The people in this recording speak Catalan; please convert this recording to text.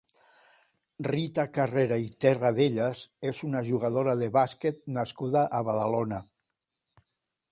Rita Carrera i Terradellas és una jugadora de bàsquet nascuda a Badalona.